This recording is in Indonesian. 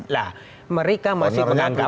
nah mereka masih menganggap